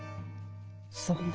そんな。